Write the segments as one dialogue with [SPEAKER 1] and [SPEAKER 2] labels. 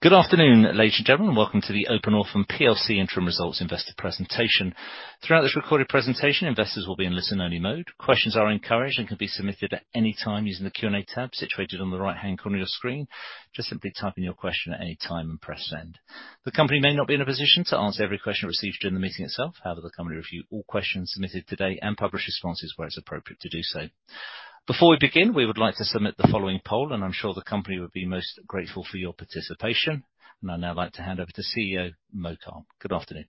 [SPEAKER 1] Good afternoon, ladies and gentlemen. Welcome to the Open Orphan plc interim results investor presentation. Throughout this recorded presentation, investors will be in listen-only mode. Questions are encouraged and can be submitted at any time using the Q&A tab situated on the right-hand corner of your screen. Just simply type in your question at any time and press Send. The company may not be in a position to answer every question received during the meeting itself. However, the company review all questions submitted today and publish responses where it's appropriate to do so. Before we begin, we would like to submit the following poll, and I'm sure the company would be most grateful for your participation. I'd now like to hand over to CEO Yamin Khan. Good afternoon.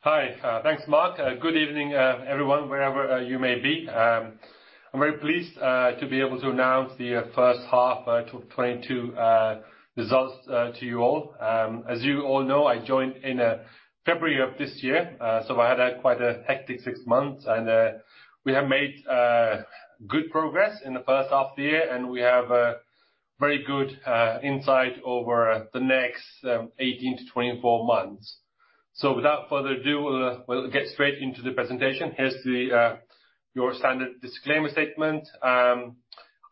[SPEAKER 2] Hi. Thanks, Mark. Good evening, everyone, wherever you may be. I'm very pleased to be able to announce the first half 2022 results to you all. As you all know, I joined in February of this year, so I had quite a hectic six months. We have made good progress in the first half of the year, and we have a very good insight over the next 18-24 months. Without further ado, we'll get straight into the presentation. Here's your standard disclaimer statement. I'm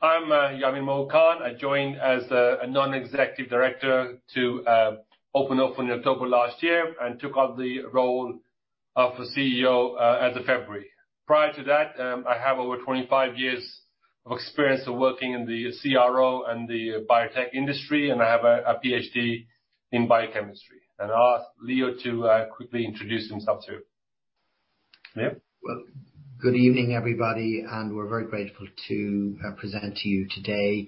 [SPEAKER 2] Yamin Khan. I joined as a non-executive director to Open Orphan in October last year and took up the role of CEO as of February. Prior to that, I have over 25 years of experience of working in the CRO and the biotech industry, and I have a PhD in biochemistry. I'll ask Leo to quickly introduce himself too. Leo?
[SPEAKER 3] Well, good evening, everybody, and we're very grateful to present to you today.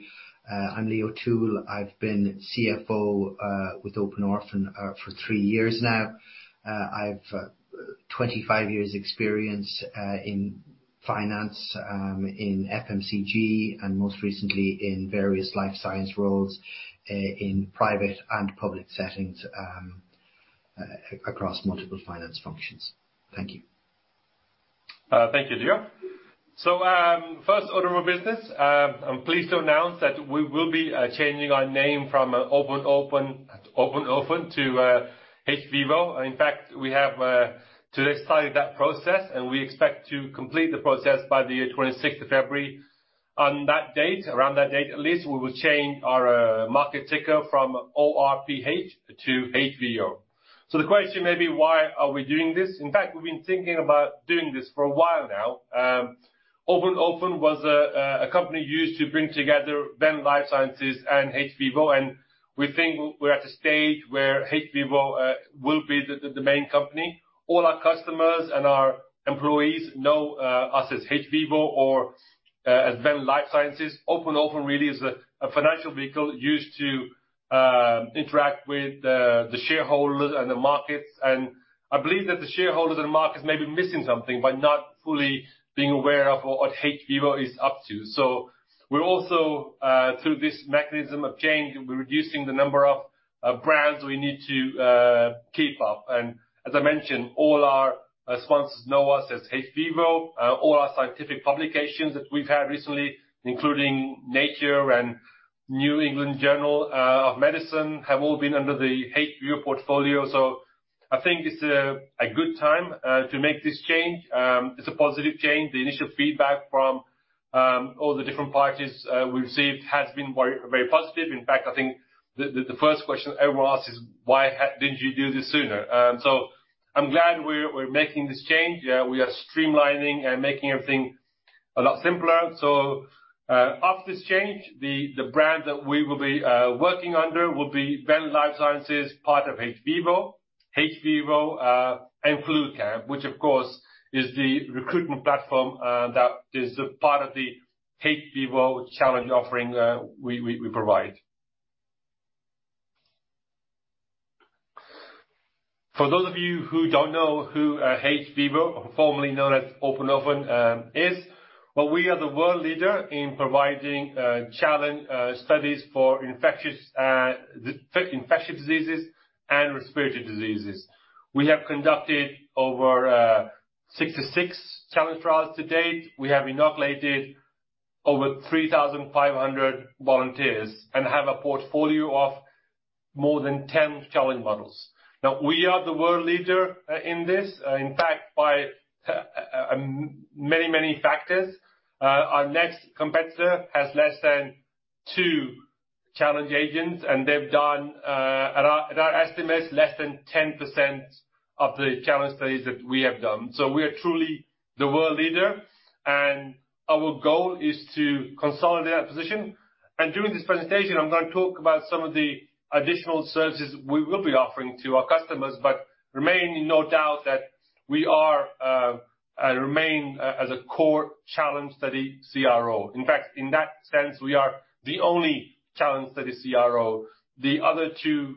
[SPEAKER 3] I'm Leo Toole. I've been CFO with Open Orphan for 3 years now. I've 25 years' experience in finance in FMCG and most recently in various life science roles in private and public settings across multiple finance functions. Thank you.
[SPEAKER 2] Thank you, Leo. First order of business, I'm pleased to announce that we will be changing our name from Open Orphan to hVIVO. In fact, we have today started that process, and we expect to complete the process by the twenty-sixth of February. On that date, around that date, at least, we will change our market ticker from ORPH to HVO. The question may be, why are we doing this? In fact, we've been thinking about doing this for a while now. Open Orphan was a company used to bring together Venn Life Sciences and hVIVO, and we think we're at a stage where hVIVO will be the main company. All our customers and our employees know us as hVIVO or as Venn Life Sciences. Open Orphan really is a financial vehicle used to interact with the shareholders and the markets, and I believe that the shareholders and markets may be missing something by not fully being aware of what hVIVO is up to. We're also through this mechanism of change, we're reducing the number of brands we need to keep up. As I mentioned, all our sponsors know us as hVIVO. All our scientific publications that we've had recently, including Nature and New England Journal of Medicine, have all been under the hVIVO portfolio. I think it's a good time to make this change. It's a positive change. The initial feedback from all the different parties we've received has been very, very positive. In fact, I think the first question everyone asks is, "Why didn't you do this sooner?" I'm glad we're making this change. Yeah, we are streamlining and making everything a lot simpler. After this change, the brand that we will be working under will be Venn Life Sciences, part of hVIVO. hVIVO and FluCamp, which of course is the recruitment platform that is a part of the hVIVO challenge offering we provide. For those of you who don't know who hVIVO, formerly known as Open Orphan, is, we are the world leader in providing challenge studies for infectious diseases and respiratory diseases. We have conducted over 66 challenge trials to date. We have inoculated over 3,500 volunteers and have a portfolio of more than 10 challenge models. Now, we are the world leader in this, in fact, by many, many factors. Our next competitor has less than two challenge agents, and they've done, at our estimates, less than 10% of the challenge studies that we have done. We are truly the world leader, and our goal is to consolidate that position. During this presentation, I'm gonna talk about some of the additional services we will be offering to our customers, but remain in no doubt that we remain as a core challenge study CRO. In fact, in that sense, we are the only challenge study CRO. The other two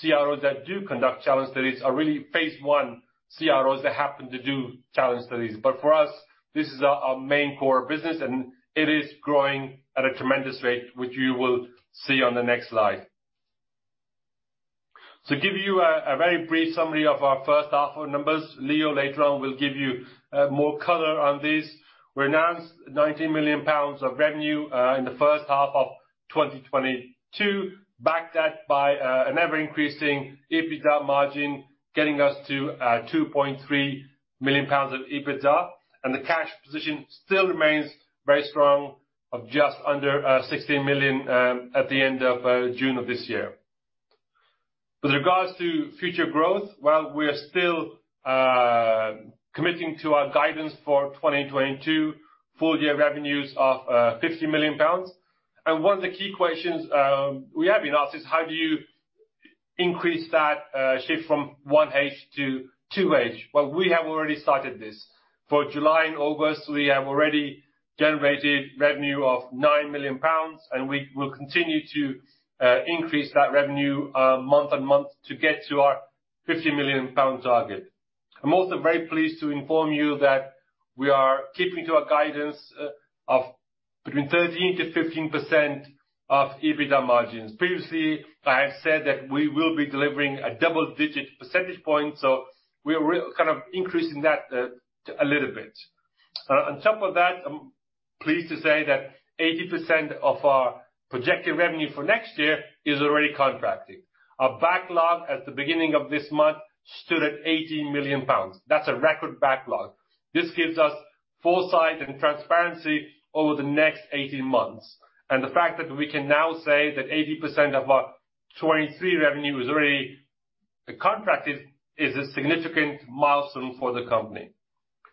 [SPEAKER 2] CROs that do conduct challenge studies are really phase one CROs that happen to do challenge studies. For us, this is our main core business, and it is growing at a tremendous rate, which you will see on the next slide. To give you a very brief summary of our first half of numbers, Leo later on will give you more color on this. We announced 18 million pounds of revenue in the first half of 2022, backed up by an ever-increasing EBITDA margin, getting us to 2.3 million pounds of EBITDA. The cash position still remains very strong of just under 16 million at the end of June of this year. With regards to future growth, while we are still committing to our guidance for 2022 full year revenues of 50 million pounds, and one of the key questions we have been asked is how do you increase that shift from one H to two H? Well, we have already started this. For July and August, we have already generated revenue of 9 million pounds, and we will continue to increase that revenue month on month to get to our 50 million pound target. I'm also very pleased to inform you that we are keeping to our guidance of between 13%-15% of EBITDA margins. Previously, I have said that we will be delivering a double-digit percentage point, so we are kind of increasing that a little bit. On top of that, I'm pleased to say that 80% of our projected revenue for next year is already contracted. Our backlog at the beginning of this month stood at 80 million pounds. That's a record backlog. This gives us foresight and transparency over the next 18 months. The fact that we can now say that 80% of our 2023 revenue is already contracted is a significant milestone for the company.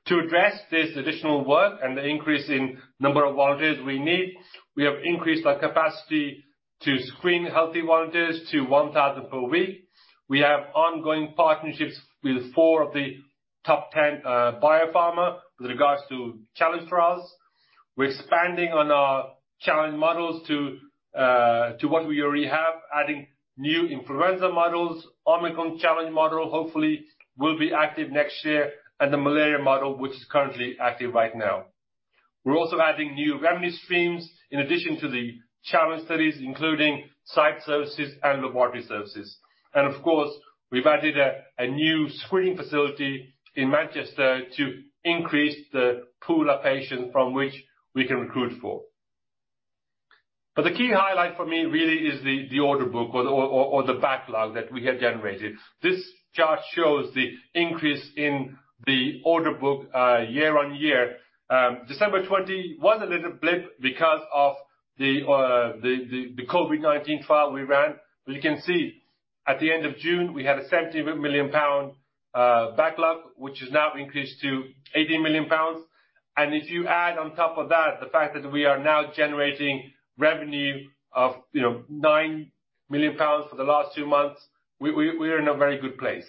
[SPEAKER 2] To address this additional work and the increase in number of volunteers we need, we have increased our capacity to screen healthy volunteers to 1,000 per week. We have ongoing partnerships with four of the top 10 biopharma with regards to challenge trials. We're expanding on our challenge models to what we already have, adding new influenza models, Omicron challenge model hopefully will be active next year, and the malaria model, which is currently active right now. We're also adding new revenue streams in addition to the challenge studies, including site services and laboratory services. Of course, we've added a new screening facility in Manchester to increase the pool of patients from which we can recruit for. The key highlight for me really is the order book or the backlog that we have generated. This chart shows the increase in the order book year-on-year. December 2020 was a little blip because of the COVID-19 trial we ran. You can see at the end of June, we had a 70 million pound backlog, which has now increased to 80 million pounds. If you add on top of that the fact that we are now generating revenue of, you know, 9 million pounds for the last 2 months, we are in a very good place.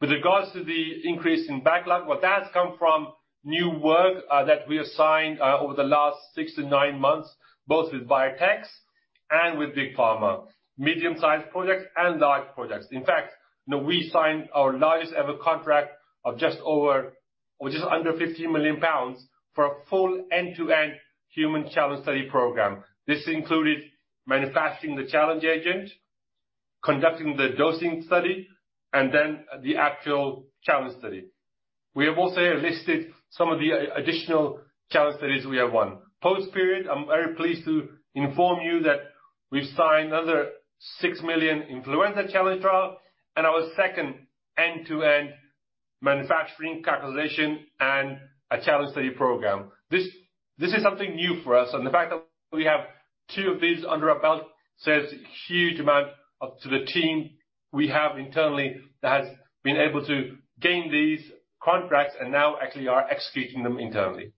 [SPEAKER 2] With regards to the increase in backlog, well, that's come from new work that we assigned over the last six to nine months, both with biotechs and with big pharma, medium-sized projects and large projects. In fact, you know, we signed our largest ever contract of just over which is under 50 million pounds for a full end-to-end human challenge study program. This included manufacturing the challenge agent, conducting the dosing study, and then the actual challenge study. We have also listed some of the additional challenge studies we have won. Post period, I'm very pleased to inform you that we've signed another 6 million influenza challenge trial and our second end-to-end manufacturing characterization and a challenge study program. This is something new for us, and the fact that we have two of these under our belt says a huge amount to the team we have internally that has been able to gain these contracts and now actually are executing them internally.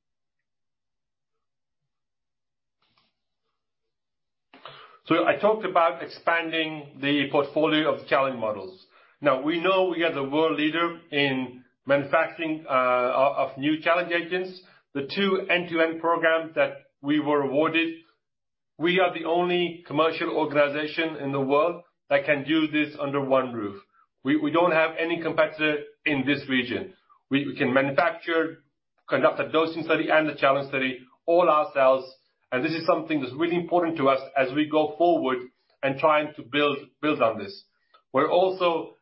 [SPEAKER 2] I talked about expanding the portfolio of the challenge models. Now, we know we are the world leader in manufacturing of new challenge agents. The two end-to-end programs that we were awarded, we are the only commercial organization in the world that can do this under one roof. We don't have any competitor in this region. We can manufacture, conduct a dosing study and a challenge study all ourselves, and this is something that's really important to us as we go forward in trying to build on this. We're also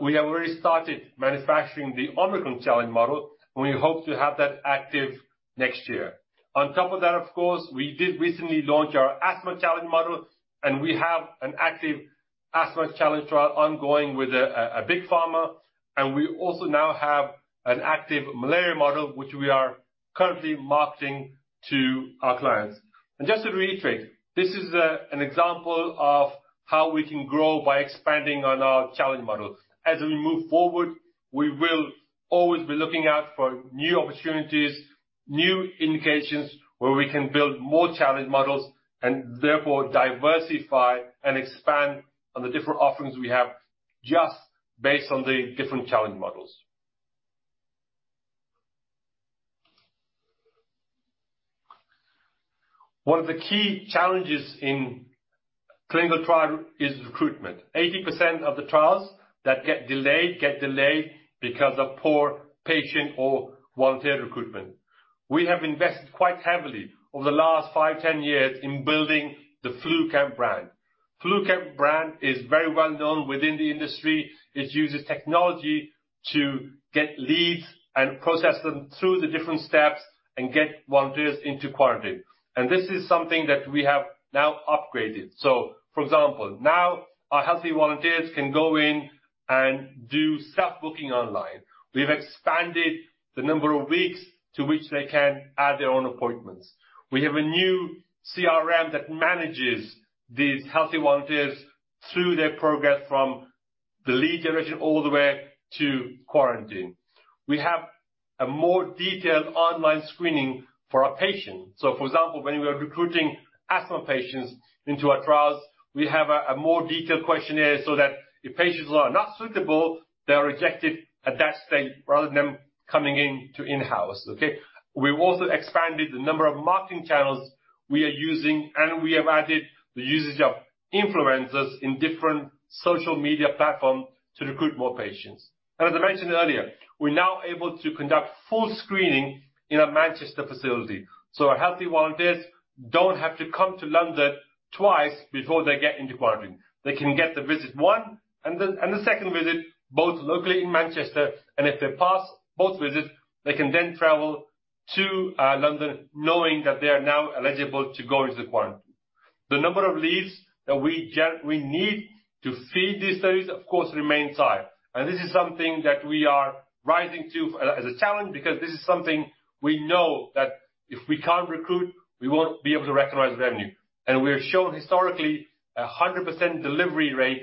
[SPEAKER 2] we have already started manufacturing the Omicron challenge model, and we hope to have that active next year. On top of that, of course, we did recently launch our asthma challenge model, and we have an active asthma challenge trial ongoing with a big pharma, and we also now have an active malaria model which we are currently marketing to our clients. Just to reiterate, this is an example of how we can grow by expanding on our challenge model. As we move forward, we will always be looking out for new opportunities, new indications where we can build more challenge models and therefore diversify and expand on the different offerings we have just based on the different challenge models. One of the key challenges in clinical trial is recruitment. 80% of the trials that get delayed because of poor patient or volunteer recruitment. We have invested quite heavily over the last 5, 10 years in building the FluCamp brand. FluCamp brand is very well known within the industry. It uses technology to get leads and process them through the different steps and get volunteers into quarantine. This is something that we have now upgraded. For example, now our healthy volunteers can go in and do self-booking online. We've expanded the number of weeks to which they can add their own appointments. We have a new CRM that manages these healthy volunteers through their progress from the lead generation all the way to quarantine. We have a more detailed online screening for our patients. For example, when we are recruiting asthma patients into our trials, we have a more detailed questionnaire so that if patients are not suitable, they are rejected at that stage rather than them coming in-house. Okay. We've also expanded the number of marketing channels we are using, and we have added the usage of influencers in different social media platform to recruit more patients. As I mentioned earlier, we're now able to conduct full screening in our Manchester facility, so our healthy volunteers don't have to come to London twice before they get into quarantine. They can get the visit one and then the second visit, both locally in Manchester, and if they pass both visits, they can then travel to London knowing that they are now eligible to go into the quarantine. The number of leads that we need to feed these studies, of course, remains high. This is something that we are rising to as a challenge because this is something we know that if we can't recruit, we won't be able to recognize revenue. We have shown historically 100% delivery rate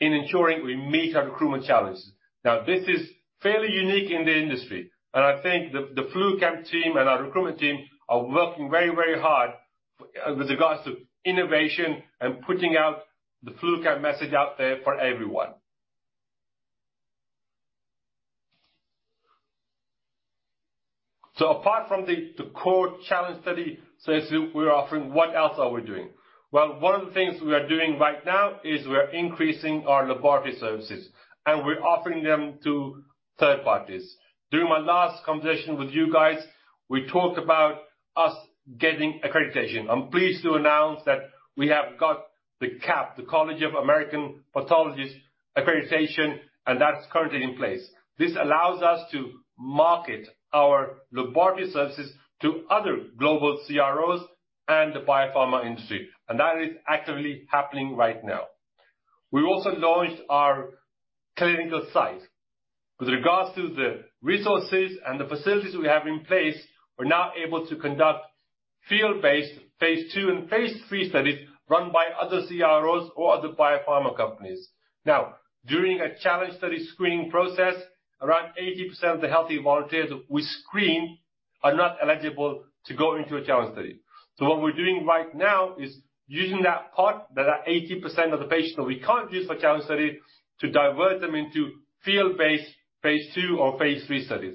[SPEAKER 2] in ensuring we meet our recruitment challenges. Now, this is fairly unique in the industry, and I think the FluCamp team and our recruitment team are working very, very hard with regards to innovation and putting out the FluCamp message out there for everyone. Apart from the core challenge study service we're offering, what else are we doing? Well, one of the things we are doing right now is we're increasing our laboratory services, and we're offering them to third parties. During my last conversation with you guys, we talked about us getting accreditation. I'm pleased to announce that we have got the CAP, the College of American Pathologists accreditation, and that's currently in place. This allows us to market our laboratory services to other global CROs and the biopharma industry, and that is actively happening right now. We've also launched our clinical site. With regards to the resources and the facilities we have in place, we're now able to conduct field-based Phase II and Phase III studies run by other CROs or other biopharma companies. Now, during a challenge study screening process, around 80% of the healthy volunteers we screen are not eligible to go into a challenge study. What we're doing right now is using that part, that 80% of the patients that we can't use for challenge study, to divert them into field-based phase II or phase III studies.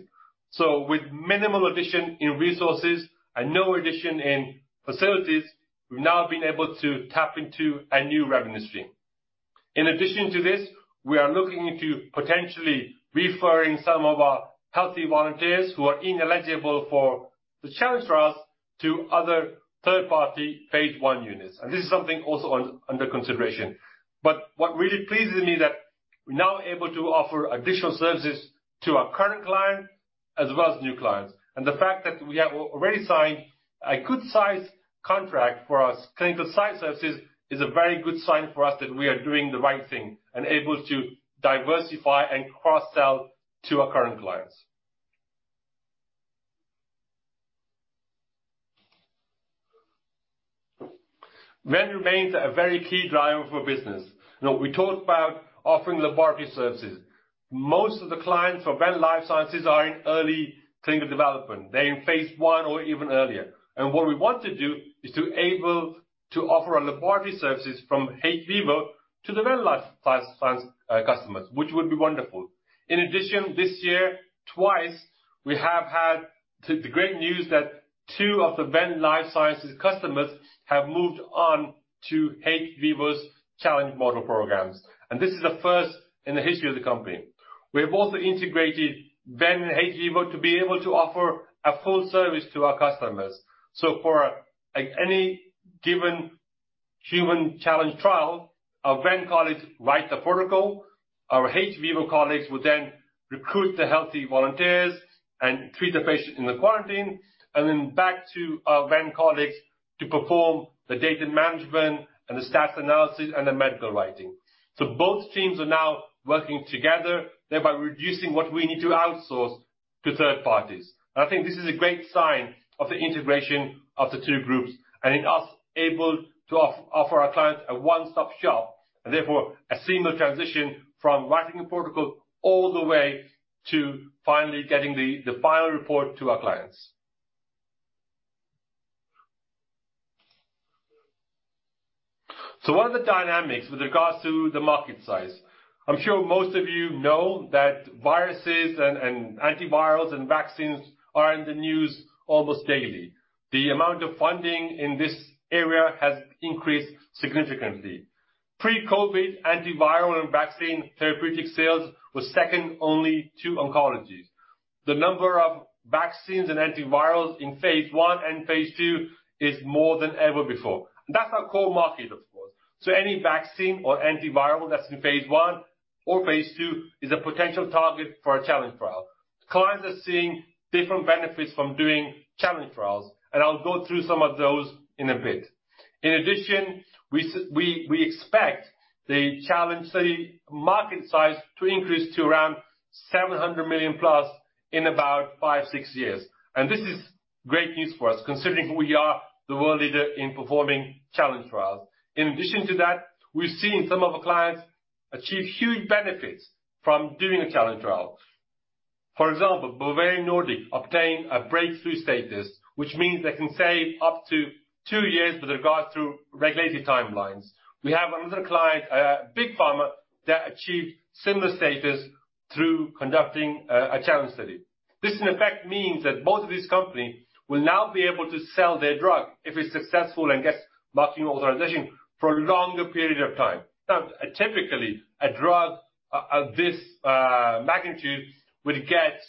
[SPEAKER 2] With minimal addition in resources and no addition in facilities, we've now been able to tap into a new revenue stream. In addition to this, we are looking into potentially referring some of our healthy volunteers who are ineligible for the challenge trials to other third-party phase I units, and this is something also under consideration. What really pleases me that we're now able to offer additional services to our current clients, as well as new clients. The fact that we have already signed a good size contract for our clinical site services is a very good sign for us that we are doing the right thing and able to diversify and cross-sell to our current clients. Revenue remains a very key driver for business. Now, we talked about offering laboratory services. Most of the clients for Venn Life Sciences are in early clinical development. They're in phase I or even earlier. What we want to do is to able to offer our laboratory services from hVIVO to the Venn Life Sciences customers, which would be wonderful. In addition, this year, twice, we have had the great news that two of the Venn Life Sciences customers have moved on to hVIVO's challenge model programs, and this is a first in the history of the company. We have also integrated Venn and hVIVO to be able to offer a full service to our customers. For any given human challenge trial, our Venn colleagues write the protocol, our hVIVO colleagues will then recruit the healthy volunteers and treat the patient in the quarantine, and then back to our Venn colleagues to perform the data management and the stats analysis and the medical writing. Both teams are now working together, thereby reducing what we need to outsource to third parties. I think this is a great sign of the integration of the two groups and in us able to offer our clients a one-stop shop, and therefore a seamless transition from writing a protocol all the way to finally getting the final report to our clients. What are the dynamics with regards to the market size? I'm sure most of you know that viruses and antivirals and vaccines are in the news almost daily. The amount of funding in this area has increased significantly. Pre-COVID antiviral and vaccine therapeutic sales was second only to oncology. The number of vaccines and antivirals in Phase I and Phase II is more than ever before. That's our core market, of course. Any vaccine or antiviral that's in Phase I or Phase II is a potential target for a challenge trial. Clients are seeing different benefits from doing challenge trials, and I'll go through some of those in a bit. In addition, we expect the challenge study market size to increase to around 700 million+ in about 5-6 years. This is great news for us considering we are the world leader in performing challenge trials. In addition to that, we're seeing some of our clients achieve huge benefits from doing a challenge trial. For example, Bavarian Nordic obtained a breakthrough status, which means they can save up to two years with regards to regulated timelines. We have another client, a big pharma, that achieved similar status through conducting a challenge study. This in effect means that both of these companies will now be able to sell their drug if it's successful and gets marketing authorization for a longer period of time. Now, typically, a drug of this magnitude would get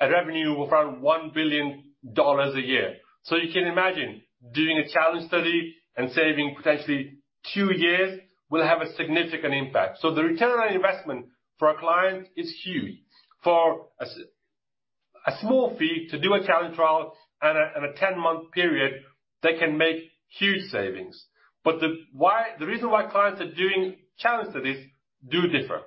[SPEAKER 2] a revenue of around $1 billion a year. You can imagine doing a challenge study and saving potentially two years will have a significant impact. The return on investment for our client is huge. For a small fee to do a challenge trial and a 10-month period, they can make huge savings. The reason why clients are doing challenge studies differ.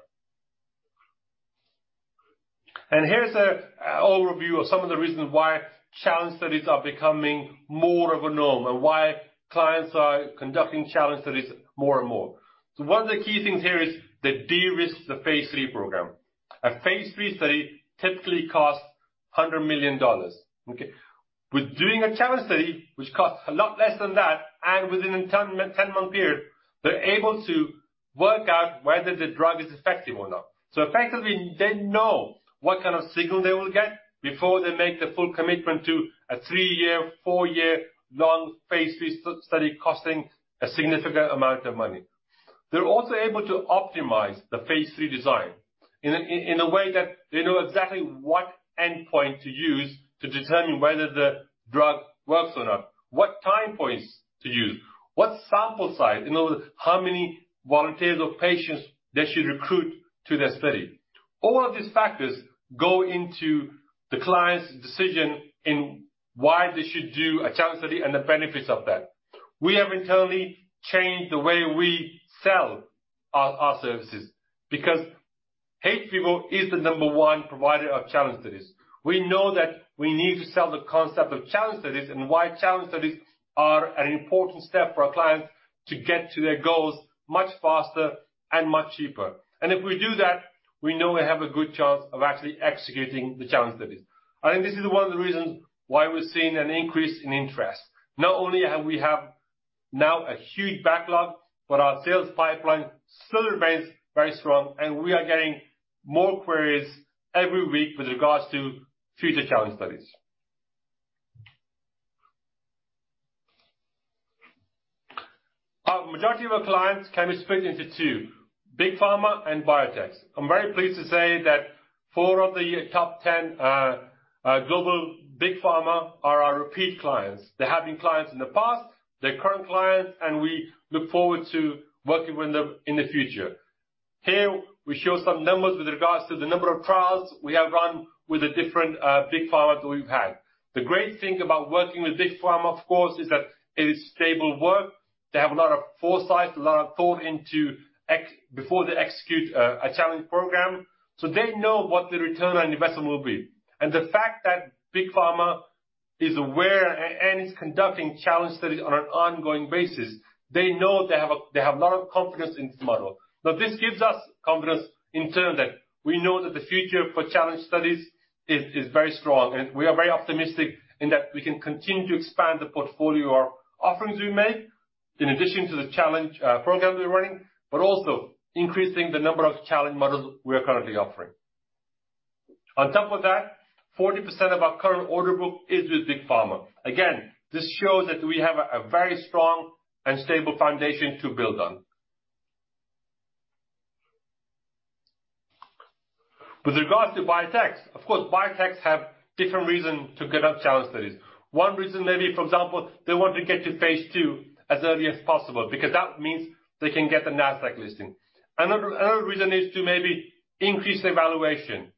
[SPEAKER 2] Here's an overview of some of the reasons why challenge studies are becoming more of a norm and why clients are conducting challenge studies more and more. One of the key things here is they de-risk the phase three program. A phase three study typically costs $100 million, okay? With doing a challenge study, which costs a lot less than that, and within a 10-month period, they are able to work out whether the drug is effective or not. Effectively, they know what kind of signal they will get before they make the full commitment to a 3-year, 4-year long phase three study costing a significant amount of money. They're also able to optimize the phase III design in a way that they know exactly what endpoint to use to determine whether the drug works or not, what time points to use, what sample size. In other words, how many volunteers or patients they should recruit to their study. All of these factors go into the client's decision in why they should do a challenge study and the benefits of that. We have internally changed the way we sell our services because hVIVO is the number one provider of challenge studies. We know that we need to sell the concept of challenge studies and why challenge studies are an important step for our clients to get to their goals much faster and much cheaper. If we do that, we know we have a good chance of actually executing the challenge studies. I think this is one of the reasons why we're seeing an increase in interest. Not only have we now a huge backlog, but our sales pipeline still remains very strong, and we are getting more queries every week with regards to future challenge studies. Our majority of clients can be split into two, big pharma and biotechs. I'm very pleased to say that four of the top 10 global big pharma are our repeat clients. They have been clients in the past, they're current clients, and we look forward to working with them in the future. Here, we show some numbers with regards to the number of trials we have run with the different big pharma that we've had. The great thing about working with big pharma, of course, is that it is stable work. They have a lot of foresight, a lot of thought into before they execute a challenge program, so they know what the return on investment will be. The fact that big pharma is aware and is conducting challenge studies on an ongoing basis, they know they have a lot of confidence in this model. Now, this gives us confidence in turn that we know that the future for challenge studies is very strong. We are very optimistic in that we can continue to expand the portfolio offerings we make in addition to the challenge programs we're running, but also increasing the number of challenge models we are currently offering. On top of that, 40% of our current order book is with big pharma. Again, this shows that we have a very strong and stable foundation to build on. With regards to biotechs, of course, biotechs have different reasons to get on challenge studies. One reason may be, for example, they want to get to phase II as early as possible because that means they can get the Nasdaq listing. Another reason is to maybe increase their valuation.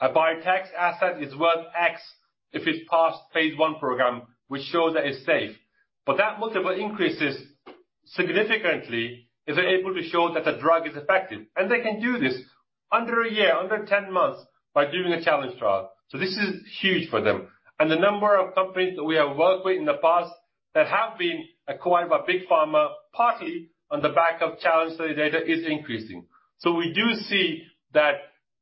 [SPEAKER 2] A biotech's asset is worth X if it's passed phase I program, which shows that it's safe. That multiple increases significantly if they're able to show that the drug is effective. They can do this under a year, under 10 months by doing a challenge trial. This is huge for them. The number of companies that we have worked with in the past that have been acquired by big pharma, partly on the back of challenge study data is increasing. We do see that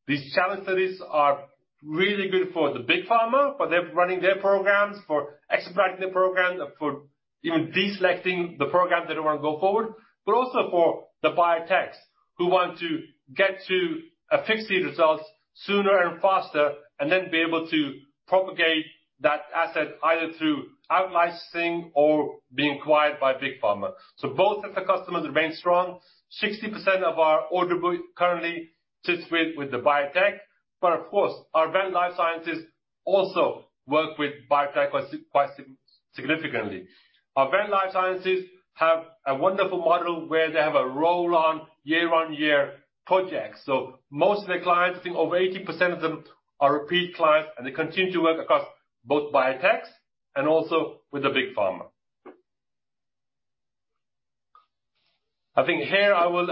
[SPEAKER 2] these challenge studies are really good for the big pharma, for them running their programs, for expanding the program, for even deselecting the programs they don't wanna go forward, but also for the biotechs who want to get the results sooner and faster, and then be able to propagate that asset either through out-licensing or being acquired by big pharma. Both of the customers remain strong. 60% of our order book currently sits with the biotech, but of course, our Venn Life Sciences also work with biotech quite significantly. Our Venn Life Sciences have a wonderful model where they have a roll-on, year-on-year projects. Most of their clients, I think over 80% of them are repeat clients, and they continue to work across both biotechs and also with the big pharma. I think here I will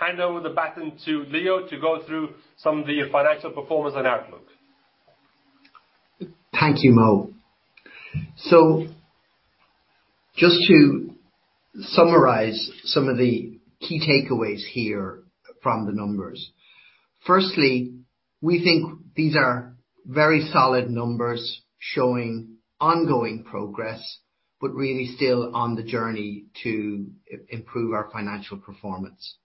[SPEAKER 2] hand over the baton to Leo to go through some of the financial performance and outlook.
[SPEAKER 3] Thank you, Mo. Just to summarize some of the key takeaways here from the numbers. Firstly, we think these are very solid numbers showing ongoing progress, but really still on the journey to improve our financial performance.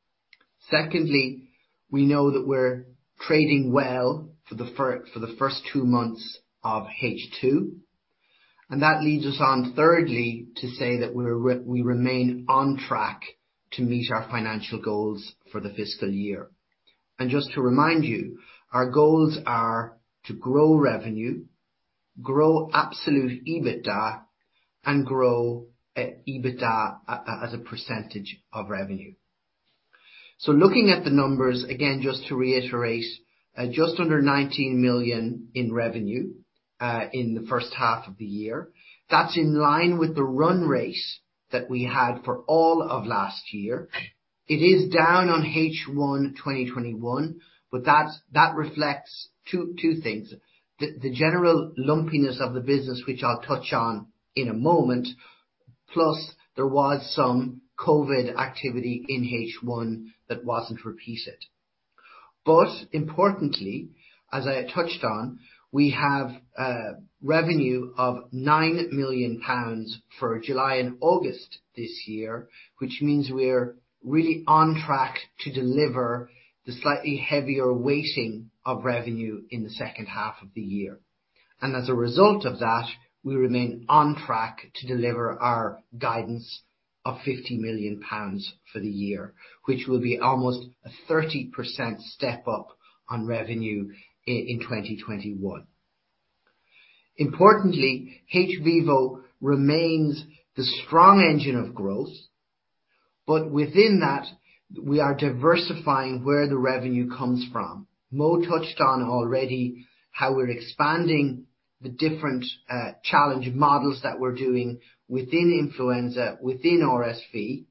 [SPEAKER 3] Secondly, we know that we're trading well for the first two months of H2. That leads us on, thirdly, to say that we remain on track to meet our financial goals for the fiscal year. Just to remind you, our goals are to grow revenue, grow absolute EBITDA, and grow EBITDA as a percentage of revenue. Looking at the numbers, again, just to reiterate, just under 19 million in revenue in the first half of the year. That's in line with the run rate that we had for all of last year. It is down on H1 2021, but that reflects two things. The general lumpiness of the business which I'll touch on in a moment, plus there was some COVID activity in H1 that wasn't repeated. Importantly, as I touched on, we have a revenue of 9 million pounds for July and August this year, which means we're really on track to deliver the slightly heavier weighting of revenue in the second half of the year. As a result of that, we remain on track to deliver our guidance of 50 million pounds for the year, which will be almost a 30% step up on revenue in 2021. Importantly, hVIVO remains the strong engine of growth, but within that, we are diversifying where the revenue comes from. Mo touched on already how we're expanding the different challenge models that we're doing within influenza, within RSV.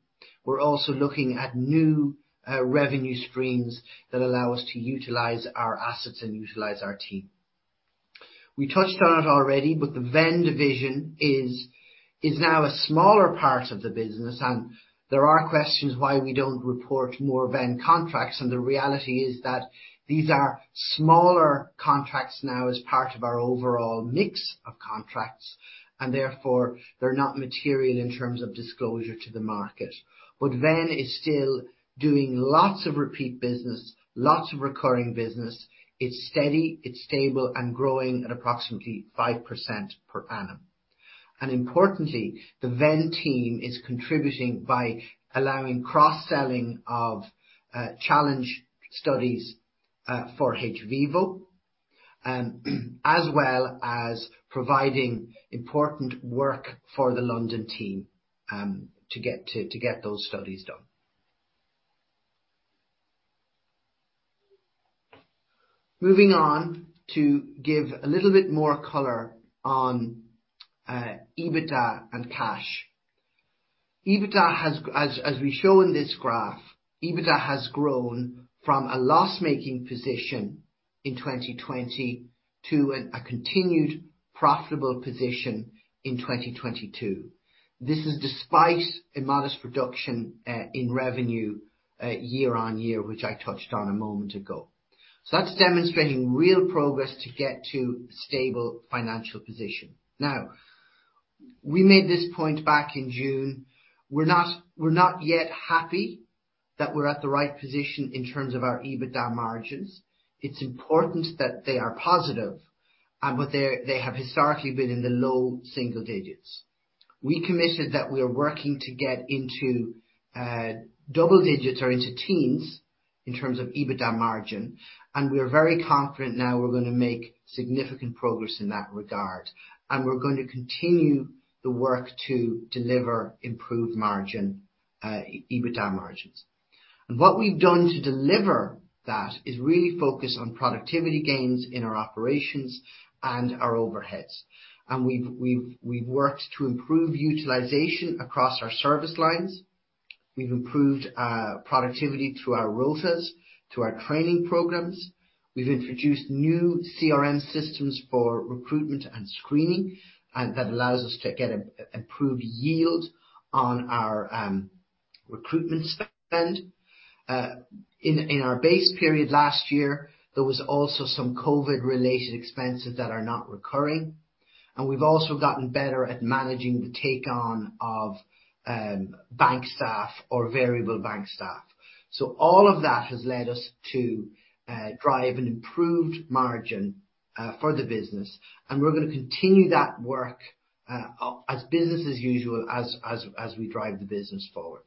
[SPEAKER 3] We're also looking at new revenue streams that allow us to utilize our assets and utilize our team. We touched on it already, but the Venn division is now a smaller part of the business, and there are questions why we don't report more Venn contracts. The reality is that these are smaller contracts now as part of our overall mix of contracts, and therefore they're not material in terms of disclosure to the market. Venn is still doing lots of repeat business, lots of recurring business. It's steady, it's stable, and growing at approximately 5% per annum. Importantly, the Venn team is contributing by allowing cross-selling of challenge studies for hVIVO, as well as providing important work for the London team to get those studies done. Moving on to give a little bit more color on EBITDA and cash. EBITDA has as we show in this graph, EBITDA has grown from a loss-making position in 2020 to a continued profitable position in 2022. This is despite a modest reduction in revenue year-on-year, which I touched on a moment ago. That's demonstrating real progress to get to a stable financial position. Now, we made this point back in June. We're not yet happy that we're at the right position in terms of our EBITDA margins. It's important that they are positive, but they have historically been in the low single digits. We committed that we are working to get into double digits or into teens in terms of EBITDA margin, and we're very confident now we're gonna make significant progress in that regard. We're going to continue the work to deliver improved margin, EBITDA margins. What we've done to deliver that is really focus on productivity gains in our operations and our overheads. We've worked to improve utilization across our service lines. We've improved productivity through our rotas, through our training programs. We've introduced new CRM systems for recruitment and screening, and that allows us to get improved yield on our recruitment spend. In our base period last year, there was also some COVID-related expenses that are not recurring. We've also gotten better at managing the take-on of bench staff or variable bench staff. All of that has led us to drive an improved margin for the business, and we're gonna continue that work as business as usual as we drive the business forward.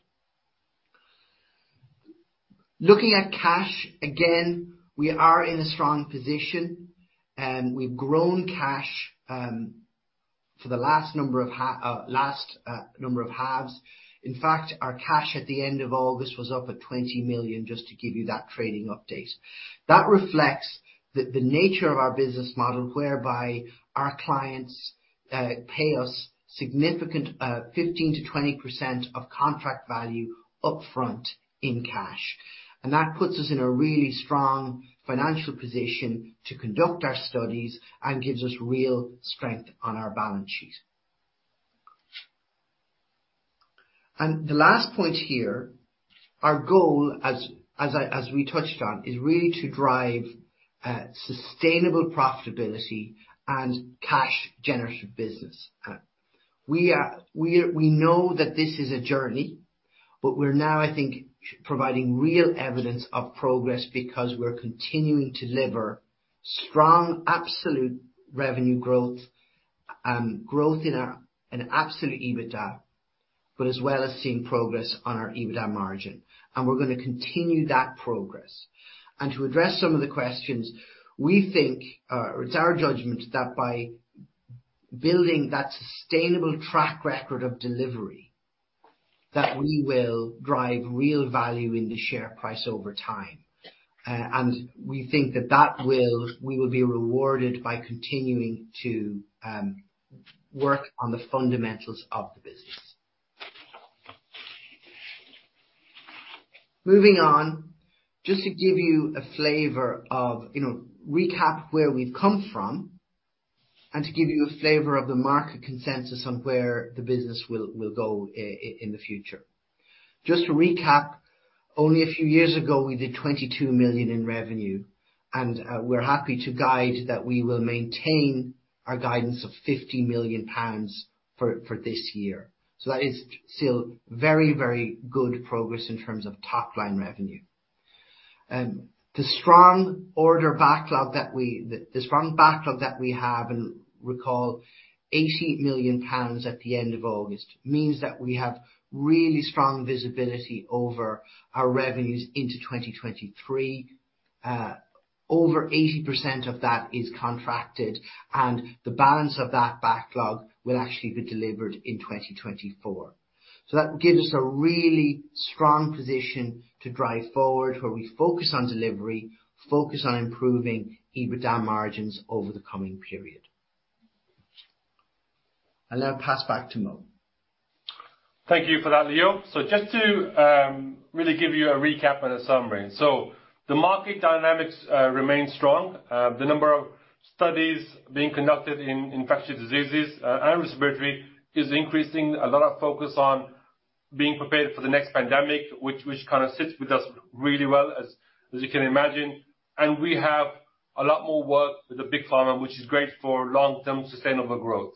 [SPEAKER 3] Looking at cash, again, we are in a strong position, and we've grown cash for the last number of halves. In fact, our cash at the end of August was up at 20 million, just to give you that trading update. That reflects the nature of our business model, whereby our clients pay us significant 15%-20% of contract value upfront in cash. That puts us in a really strong financial position to conduct our studies and gives us real strength on our balance sheet. The last point here, our goal, as we touched on, is really to drive sustainable profitability and cash generative business. We know that this is a journey, but we're now, I think, providing real evidence of progress because we're continuing to deliver strong absolute revenue growth in our absolute EBITDA, but as well as seeing progress on our EBITDA margin. We're gonna continue that progress. To address some of the questions, we think, or it's our judgment that by building that sustainable track record of delivery, that we will drive real value in the share price over time. We think that that will be rewarded by continuing to work on the fundamentals of the business. Moving on, just to give you a flavor of, you know, recap where we've come from and to give you a flavor of the market consensus on where the business will go in the future. Just to recap, only a few years ago, we did 22 million in revenue, and we're happy to guide that we will maintain our guidance of £50 million for this year. That is still very good progress in terms of top line revenue. The strong backlog that we have, and recall £80 million at the end of August, means that we have really strong visibility over our revenues into 2023. Over 80% of that is contracted, and the balance of that backlog will actually be delivered in 2024. that gives us a really strong position to drive forward, where we focus on delivery, focus on improving EBITDA margins over the coming period. I'll now pass back to Mo.
[SPEAKER 2] Thank you for that, Leo. Just to really give you a recap and a summary. The market dynamics remain strong. The number of studies being conducted in infectious diseases and respiratory is increasing. A lot of focus on being prepared for the next pandemic, which kinda sits with us really well as you can imagine. We have a lot more work with the big pharma, which is great for long-term sustainable growth.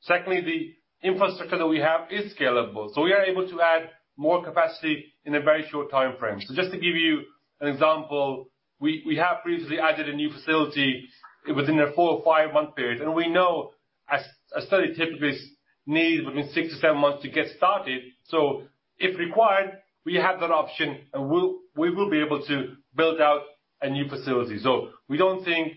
[SPEAKER 2] Secondly, the infrastructure that we have is scalable. We are able to add more capacity in a very short timeframe. Just to give you an example, we have previously added a new facility within a 4- or 5-month period. We know a study typically needs between 6-7 months to get started. If required, we have that option and we will be able to build out a new facility. We don't think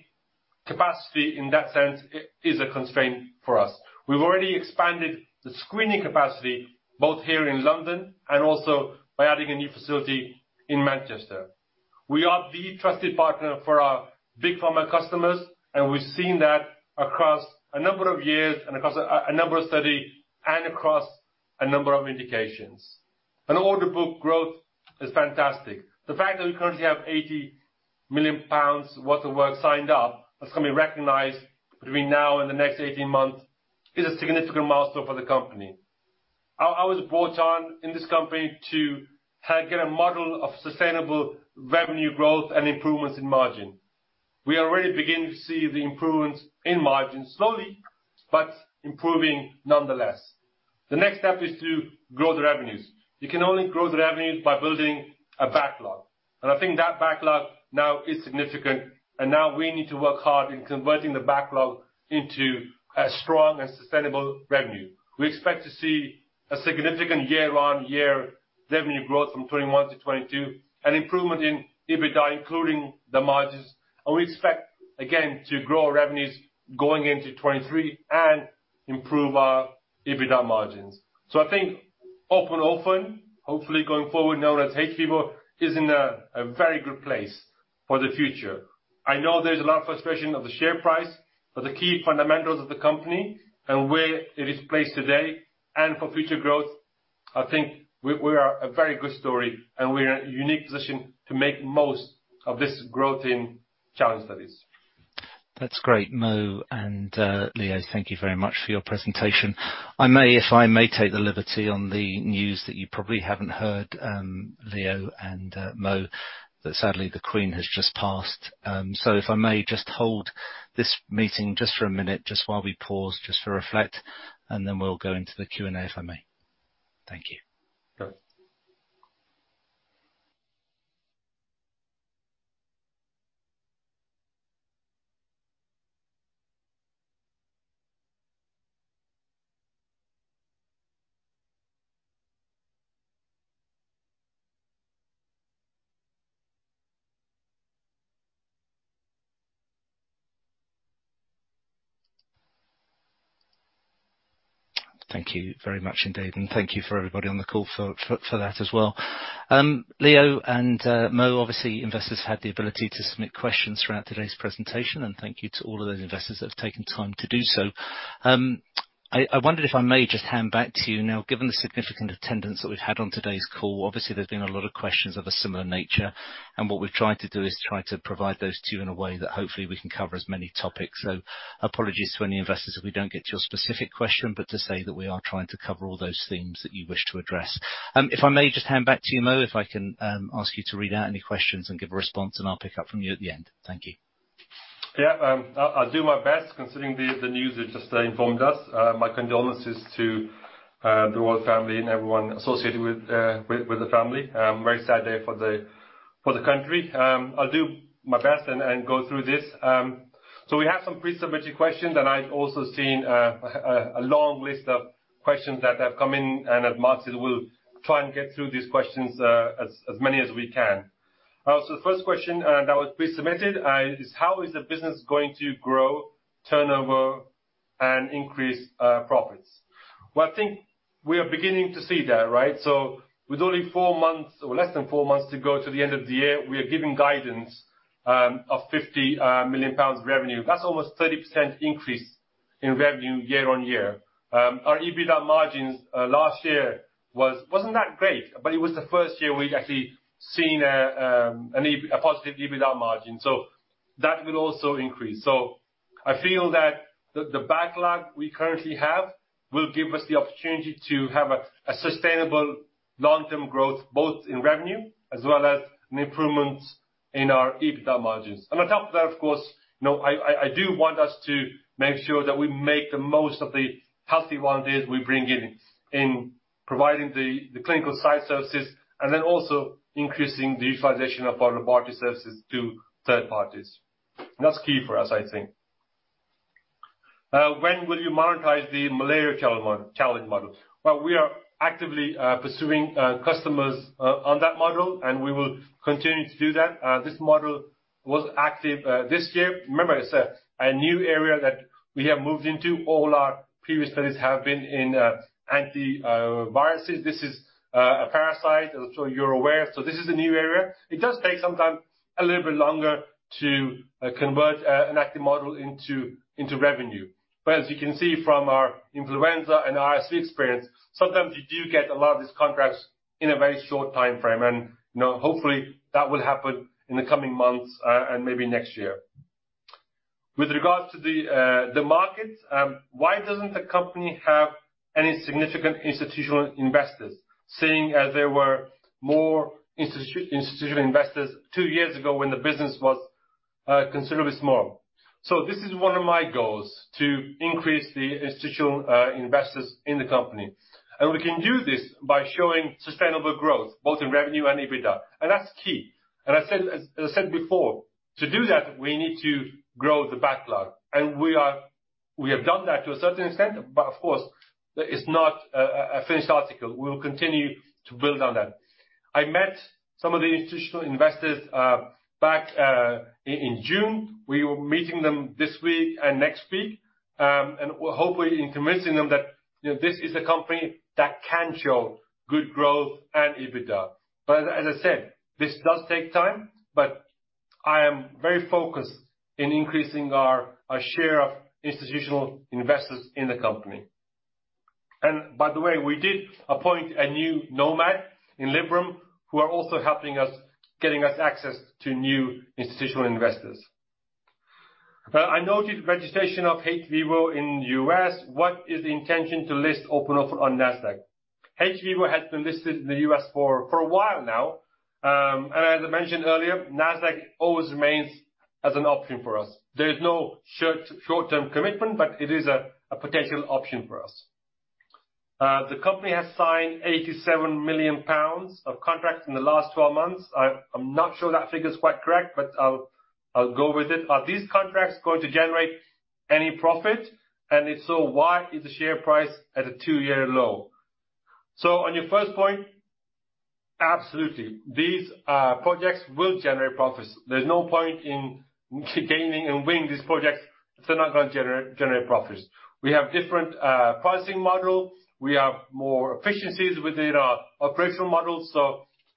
[SPEAKER 2] capacity in that sense is a constraint for us. We've already expanded the screening capacity both here in London and also by adding a new facility in Manchester. We are the trusted partner for our big pharma customers, and we've seen that across a number of years and across a number of studies and across a number of indications. Order book growth is fantastic. The fact that we currently have 80 million pounds worth of work signed up that's gonna be recognized between now and the next 18 months is a significant milestone for the company. I was brought on in this company to help get a model of sustainable revenue growth and improvements in margin. We are already beginning to see the improvements in margin, slowly, but improving nonetheless. The next step is to grow the revenues. You can only grow the revenues by building a backlog. I think that backlog now is significant and now we need to work hard in converting the backlog into a strong and sustainable revenue. We expect to see a significant year-on-year revenue growth from 2021 to 2022, an improvement in EBITDA, including the margins, and we expect again, to grow our revenues going into 2023 and improve our EBITDA margins. I think Open Orphan, hopefully going forward known as hVIVO, is in a very good place for the future. I know there's a lot of frustration of the share price, but the key fundamentals of the company and where it is placed today and for future growth. I think we are a very good story, and we're in a unique position to make most of this growth in challenge studies.
[SPEAKER 1] That's great, Mo and Leo. Thank you very much for your presentation. I may, if I may take the liberty on the news that you probably haven't heard, Leo and Mo, that sadly the Queen has just passed. If I may just hold this meeting just for a minute, just while we pause just to reflect, and then we'll go into the Q&A, if I may. Thank you.
[SPEAKER 2] Sure.
[SPEAKER 1] Thank you very much indeed, and thank you for everybody on the call for that as well. Leo and Mo, obviously, investors had the ability to submit questions throughout today's presentation, and thank you to all of those investors that have taken time to do so. I wondered if I may just hand back to you now, given the significant attendance that we've had on today's call. Obviously, there's been a lot of questions of a similar nature, and what we've tried to do is try to provide those to you in a way that hopefully we can cover as many topics. Apologies to any investors if we don't get to your specific question, but to say that we are trying to cover all those themes that you wish to address. If I may just hand back to you, Mo, if I can, ask you to read out any questions and give a response, and I'll pick up from you at the end. Thank you.
[SPEAKER 2] Yeah. I'll do my best considering the news that just informed us. My condolences to the royal family and everyone associated with the family. Very sad day for the country. I'll do my best and go through this. We have some pre-submitted questions, and I've also seen a long list of questions that have come in in advance. We'll try and get through these questions as many as we can. The first question that was pre-submitted is how is the business going to grow turnover and increase profits? Well, I think we are beginning to see that, right? With only four months or less than four months to go to the end of the year, we are giving guidance of 50 million pounds of revenue. That's almost 30% increase in revenue year-on-year. Our EBITDA margins last year wasn't that great, but it was the first year we've actually seen a positive EBITDA margin. That will also increase. I feel that the backlog we currently have will give us the opportunity to have a sustainable long-term growth, both in revenue as well as an improvement in our EBITDA margins. On top of that, of course, you know, I do want us to make sure that we make the most of the healthy ones we bring in providing the clinical site services and then also increasing the utilization of our robotic services to third parties. That's key for us, I think. When will you monetize the malaria challenge model? Well, we are actively pursuing customers on that model, and we will continue to do that. This model was active this year. Remember, it's a new area that we have moved into. All our previous studies have been in antivirals. This is a parasite, as I'm sure you're aware, so this is a new area. It does take some time, a little bit longer to convert an active model into revenue. As you can see from our influenza and RSV experience, sometimes you do get a lot of these contracts in a very short timeframe. You know, hopefully, that will happen in the coming months and maybe next year. With regards to the market, why doesn't the company have any significant institutional investors, seeing as there were more institutional investors two years ago when the business was considerably small? This is one of my goals, to increase the institutional investors in the company. We can do this by showing sustainable growth, both in revenue and EBITDA. That's key. I said, as I said before, to do that, we need to grow the backlog. We have done that to a certain extent, but of course, that is not a finished article. We will continue to build on that. I met some of the institutional investors back in June. We were meeting them this week and next week, and we're hopefully convincing them that, you know, this is a company that can show good growth and EBITDA. But as I said, this does take time, but I am very focused on increasing our share of institutional investors in the company. By the way, we did appoint a new NOMAD in Liberum who are also helping us get us access to new institutional investors. I noticed registration of hVIVO in U.S., what is the intention to list open up on Nasdaq? hVIVO has been listed in the U.S. for a while now. As I mentioned earlier, Nasdaq always remains as an option for us. There is no short-term commitment, but it is a potential option for us. The company has signed 87 million pounds of contracts in the last 12 months. I'm not sure that figure is quite correct, but I'll go with it. Are these contracts going to generate any profit? If so, why is the share price at a 2-year low? On your first point, absolutely. These projects will generate profits. There's no point in gaining and winning these projects if they're not gonna generate profits. We have different pricing models. We have more efficiencies within our operational models.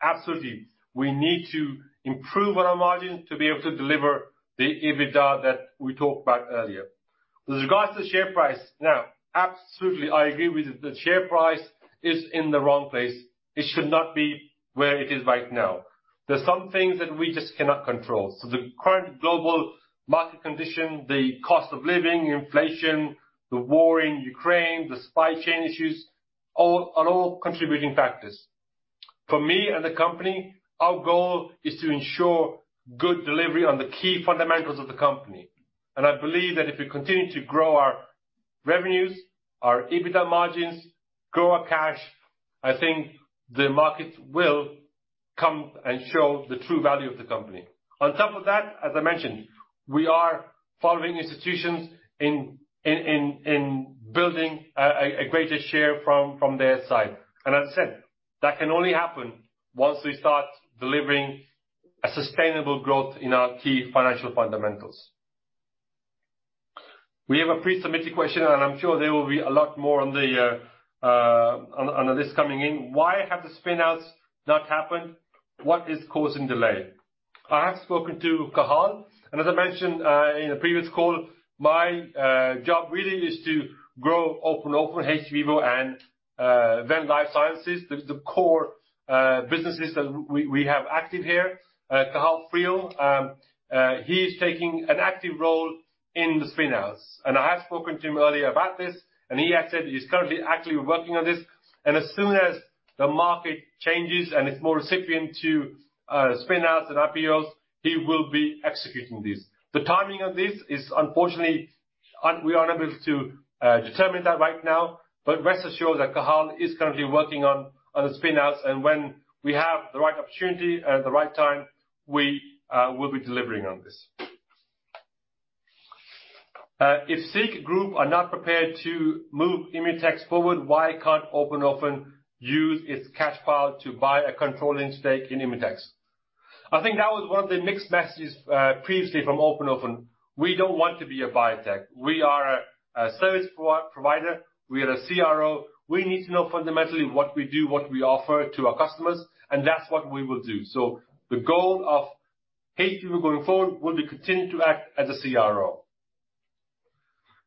[SPEAKER 2] Absolutely. We need to improve on our margins to be able to deliver the EBITDA that we talked about earlier. With regards to the share price, now, absolutely I agree with you. The share price is in the wrong place. It should not be where it is right now. There's some things that we just cannot control. The current global market condition, the cost of living, inflation, the war in Ukraine, the supply chain issues, all are contributing factors. For me and the company, our goal is to ensure good delivery on the key fundamentals of the company. I believe that if we continue to grow our revenues, our EBITDA margins, grow our cash, I think the market will come and show the true value of the company. On top of that, as I mentioned, we are following institutions in building a greater share from their side. As I said, that can only happen once we start delivering a sustainable growth in our key financial fundamentals. We have a pre-submitted question, and I'm sure there will be a lot more on this coming in. Why have the spin-outs not happened? What is causing delay? I have spoken to Cathal, and as I mentioned in a previous call, my job really is to grow Open Orphan hVIVO and Venn Life Sciences. The core businesses that we have active here. Cathal Friel is taking an active role in the spin-outs, and I have spoken to him earlier about this, and he has said he's currently actively working on this. As soon as the market changes and it's more receptive to spin-outs and IPOs, he will be executing this. The timing of this is unfortunately we are unable to determine that right now, but rest assured that Cathal Friel is currently working on the spin-outs, and when we have the right opportunity at the right time, we will be delivering on this. If SEEK Group are not prepared to move Imutex forward, why can't Open Orphan use its cash flow to buy a controlling stake in Imutex? I think that was one of the mixed messages previously from Open Orphan. We don't want to be a biotech. We are a service provider, we are a CRO. We need to know fundamentally what we do, what we offer to our customers, and that's what we will do. The goal of hVIVO going forward will be continue to act as a CRO.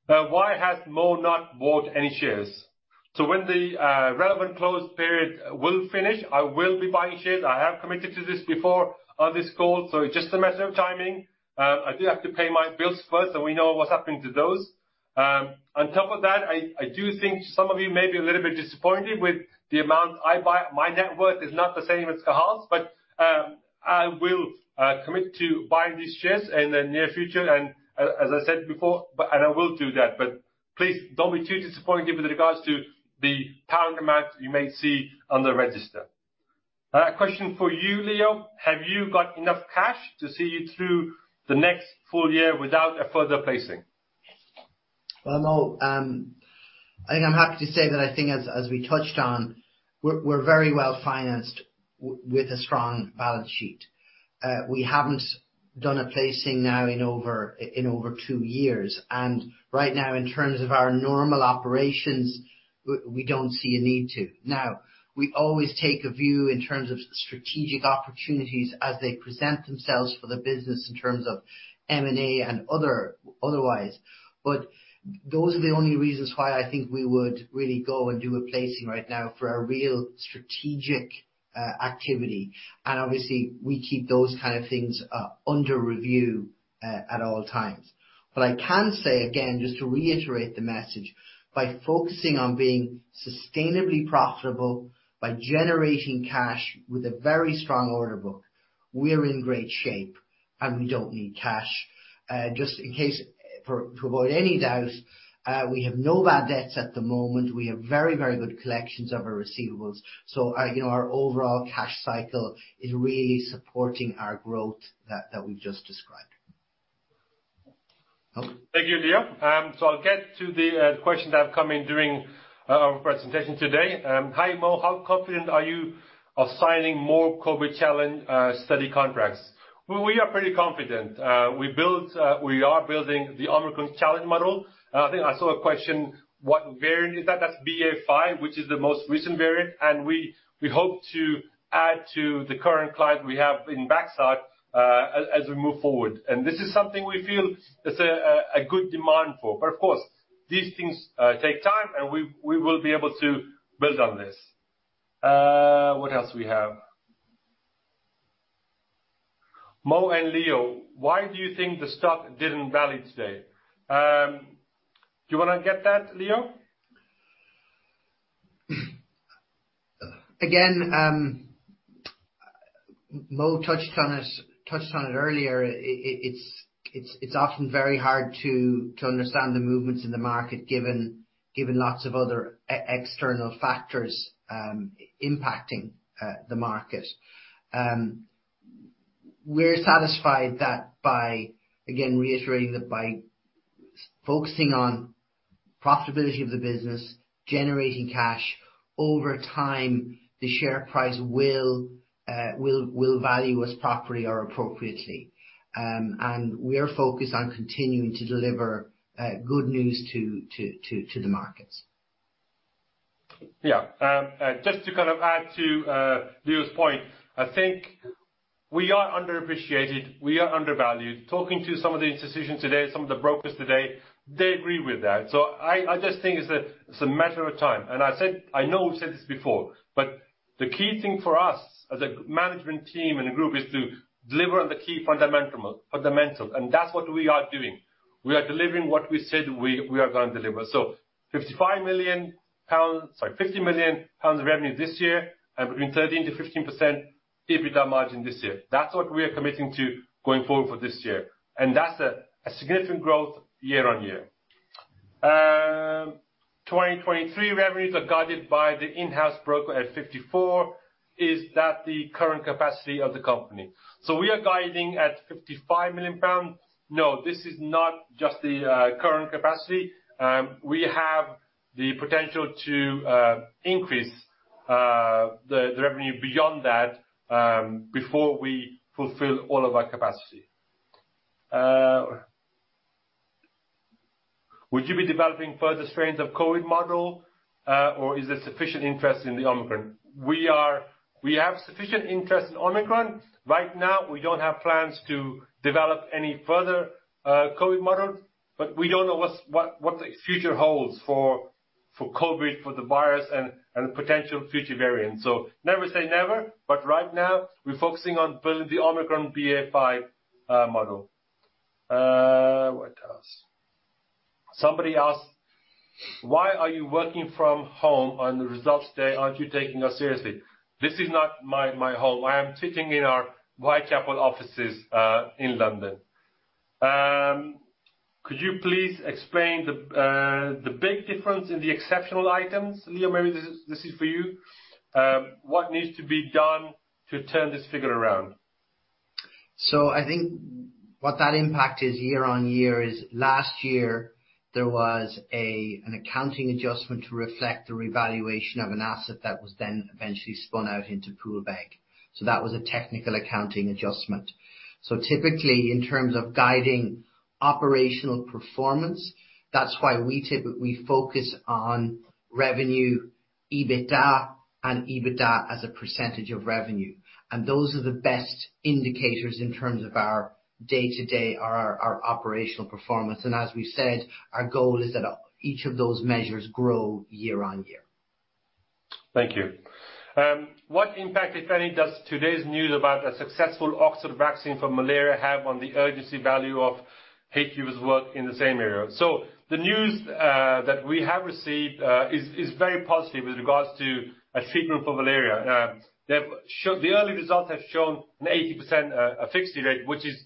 [SPEAKER 2] Now, why has Yamin Khan not bought any shares? When the relevant closed period will finish, I will be buying shares. I have committed to this before on this call, so it's just a matter of timing. I do have to pay my bills first, and we know what's happened to those. On top of that, I do think some of you may be a little bit disappointed with the amount I buy. My net worth is not the same as Cathal's, but I will commit to buying these shares in the near future. As I said before, I will do that, but please don't be too disappointed with regards to the pound amount you may see on the register. A question for you, Leo. Have you got enough cash to see you through the next full year without a further placing?
[SPEAKER 3] Well, Mo, I think I'm happy to say that I think as we touched on, we're very well-financed with a strong balance sheet. We haven't done a placing now in over two years. Right now, in terms of our normal operations, we don't see a need to. We always take a view in terms of strategic opportunities as they present themselves for the business in terms of M&A and otherwise, but those are the only reasons why I think we would really go and do a placing right now for a real strategic activity. Obviously, we keep those kind of things under review at all times. What I can say, again, just to reiterate the message, by focusing on being sustainably profitable, by generating cash with a very strong order book, we're in great shape, and we don't need cash. Just in case, to avoid any doubt, we have no bad debts at the moment. We have very, very good collections of our receivables. Our, you know, our overall cash cycle is really supporting our growth that we've just described.
[SPEAKER 2] Thank you, Leo. So I'll get to the questions that have come in during our presentation today. Hi, Mo, how confident are you of signing more COVID challenge study contracts? Well, we are pretty confident. We are building the Omicron challenge model. I think I saw a question, what variant is that? That's BA.5, which is the most recent variant, and we hope to add to the current client we have in backlog, as we move forward. This is something we feel is a good demand for. Of course, these things take time, and we will be able to build on this. What else we have? Mo and Leo, why do you think the stock didn't move today? Do you wanna get that, Leo?
[SPEAKER 3] Again, Mo touched on it earlier. It's often very hard to understand the movements in the market, given lots of other external factors impacting the market. We're satisfied that by, again, reiterating that by focusing on profitability of the business, generating cash, over time, the share price will value us properly or appropriately. We are focused on continuing to deliver good news to the markets.
[SPEAKER 2] Yeah. Just to kind of add to Leo's point, I think we are underappreciated, we are undervalued. Talking to some of the institutions today, some of the brokers today, they agree with that. I just think it's a matter of time. I know we've said this before, but the key thing for us as a management team and a group is to deliver on the key fundamentals, and that's what we are doing. We are delivering what we said we are gonna deliver. 50 million pounds of revenue this year and 13%-15% EBITDA margin this year. That's what we are committing to going forward for this year. That's a significant growth year on year. 2023 revenues are guided by the in-house broker at 54 million. Is that the current capacity of the company? We are guiding at 55 million pounds. No, this is not just the current capacity. We have the potential to increase the revenue beyond that before we fulfill all of our capacity. Would you be developing further strains of COVID model or is there sufficient interest in the Omicron? We have sufficient interest in Omicron. Right now, we don't have plans to develop any further COVID models, but we don't know what the future holds for COVID, for the virus and potential future variants. Never say never, but right now, we're focusing on building the Omicron BA.5 model. What else? Somebody asked, "Why are you working from home on the results day? Aren't you taking us seriously?" This is not my home. I am sitting in our Whitechapel offices in London. Could you please explain the big difference in the exceptional items? Leo, maybe this is for you. What needs to be done to turn this figure around?
[SPEAKER 3] I think what that impact is year on year is last year there was a, an accounting adjustment to reflect the revaluation of an asset that was then eventually spun out into Poolbeg. That was a technical accounting adjustment. Typically, in terms of guiding operational performance, that's why we focus on revenue, EBITDA and EBITDA as a percentage of revenue. Those are the best indicators in terms of our day-to-day, our operational performance. As we've said, our goal is that each of those measures grow year on year.
[SPEAKER 2] Thank you. What impact, if any, does today's news about a successful Oxford vaccine for malaria have on the urgency value of hVIVO's work in the same area? The news that we have received is very positive with regards to a treatment for malaria. The early results have shown an 80% efficacy rate, which is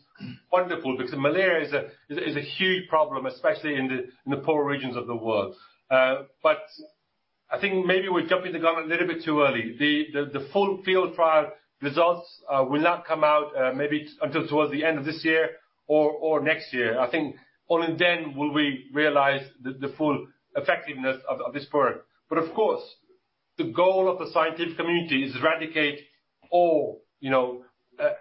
[SPEAKER 2] wonderful because malaria is a huge problem, especially in the poorer regions of the world. I think maybe we're jumping the gun a little bit too early. The full field trial results will not come out maybe until towards the end of this year or next year. I think only then will we realize the full effectiveness of this product. Of course, the goal of the scientific community is to eradicate all, you know,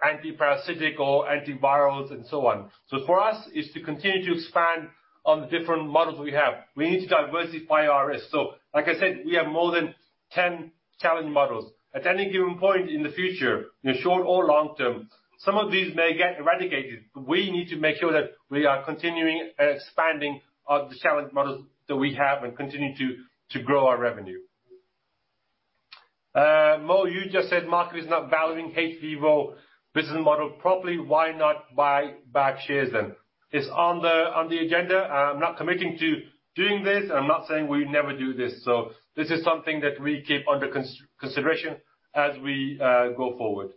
[SPEAKER 2] anti-parasitic or antivirals and so on. For us, it's to continue to expand on the different models we have. We need to diversify our risk. Like I said, we have more than 10 challenge models. At any given point in the future, in the short or long term, some of these may get eradicated, but we need to make sure that we are continuing to expand on the challenge models that we have and continue to grow our revenue. Mo, you just said the market is not valuing hVIVO business model properly. Why not buy back shares then? It's on the agenda. I'm not committing to doing this, and I'm not saying we never do this. This is something that we keep under consideration as we go forward.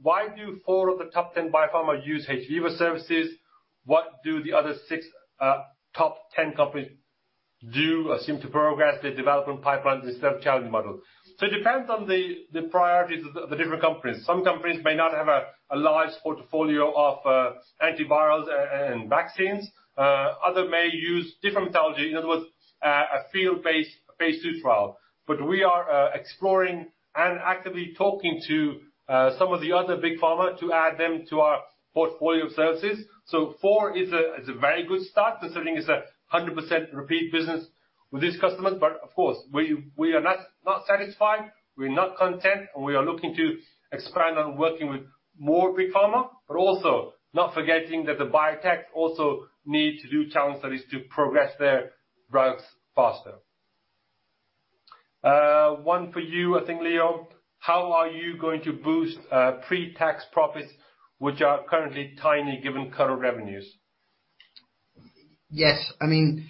[SPEAKER 2] Why do 4 of the top 10 biopharma use hVIVO services? What do the other six top 10 companies do or seem to progress their development pipelines instead of challenge model? It depends on the priorities of the different companies. Some companies may not have a large portfolio of antivirals and vaccines. Others may use different methodologies. In other words, a field-based phase II trial. We are exploring and actively talking to some of the other big pharma to add them to our portfolio of services. 4 is a very good start considering it's 100% repeat business with these customers. Of course, we are not satisfied, we're not content, and we are looking to expand on working with more big pharma, but also not forgetting that the biotech also need to do challenge studies to progress their drugs faster. One for you, I think, Leo. How are you going to boost pre-tax profits, which are currently tiny given current revenues?
[SPEAKER 3] Yes. I mean,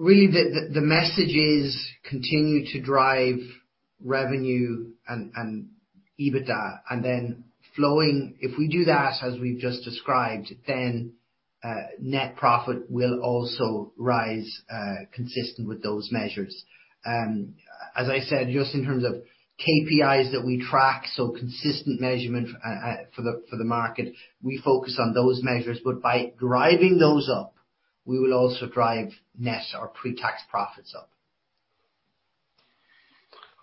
[SPEAKER 3] really the message is continue to drive revenue and EBITDA. If we do that as we've just described, then net profit will also rise consistent with those measures. As I said, just in terms of KPIs that we track, so consistent measurement for the market, we focus on those measures. By driving those up, we will also drive net or pre-tax profits up.